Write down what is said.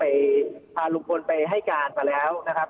พาลุงพลไปให้การมาแล้วนะครับ